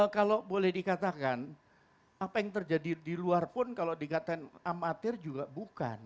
kalau boleh dikatakan apa yang terjadi di luar pun kalau dikatakan amatir juga bukan